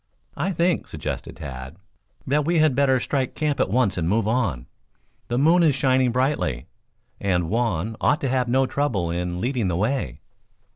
"I think," suggested Tad, "that we had better strike camp at once and move on. The moon is shining brightly, and Juan ought to have no trouble in leading the way."